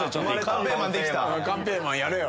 カンペーマンやれよ。